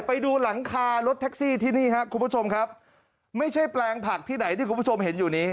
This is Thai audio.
ไปดูหลังคารถแท็กซี่ที่นี่ครับคุณผู้ชมครับไม่ใช่แปลงผักที่ไหนที่คุณผู้ชมเห็นอยู่นี้